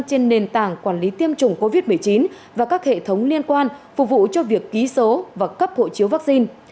trên nền tảng quản lý tiêm chủng covid một mươi chín và các hệ thống liên quan phục vụ cho việc ký số và cấp hộ chiếu vaccine